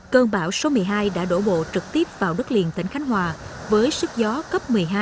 cơn bão số một mươi hai đã đổ bộ trực tiếp vào đất liền tỉnh khánh hòa với sức gió cấp một mươi hai